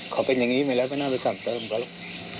ขอเป็นอย่างนี้ไม่แล้วไม่น่าไปสั่งเติมกันหรอก